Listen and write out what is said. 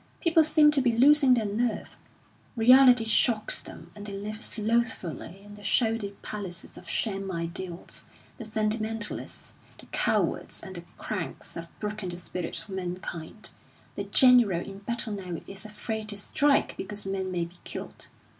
People seem to be losing their nerve; reality shocks them, and they live slothfully in the shoddy palaces of Sham Ideals. The sentimentalists, the cowards, and the cranks have broken the spirit of mankind. The general in battle now is afraid to strike because men may be killed.